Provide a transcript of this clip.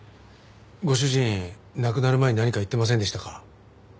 ご主人亡くなる前に何か言ってませんでしたか？